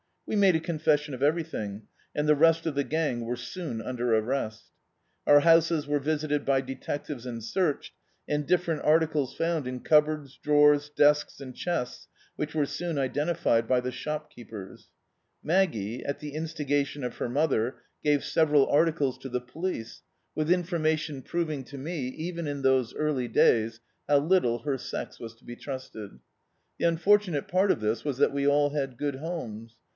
We made a confession of everything, and the rest of the gang were socm im der arrest. Our houses were visited by detectives and searched, and different articles found in cup boards, drawers, desks, and chests which were soon identified by the shopkeepers. Mag^e, at the in stigati<ni of her mother, gave several articles to the [91 D,i.,.db, Google The Autobiography of a Super Tramp police, with information, proving to me, even in those early days, how little her sex was to be trusted. The unfortunate part of this was that we all had good hcHnes.